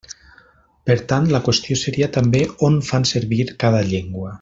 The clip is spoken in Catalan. Per tant, la qüestió seria també on fan servir cada llengua.